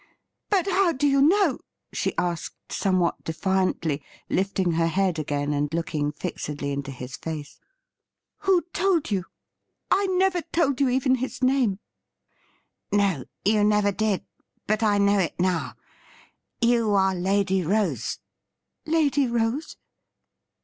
' But how do you know T she asked, somewhat defiantly, lifting her head again, and looking fixedly into his face. ' Who told you ? I never told you even his name.' ' No, you never did, but I know it now. You are Lady Rose.' ' Lady Rose